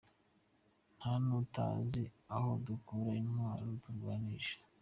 Nta n’utazi aho dukura intwaro turwanisha.